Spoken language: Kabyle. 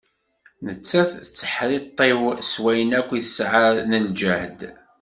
Nettat tetteḥriṭṭiw s wayen akk i tesɛa n lǧehd.